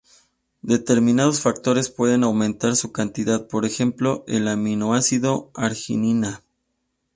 Determinados factores pueden aumentar su cantidad, por ejemplo, el aminoácido arginina.